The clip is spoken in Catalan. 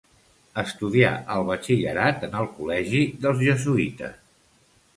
Estudia el batxillerat en el Col·legi dels Jesuïtes.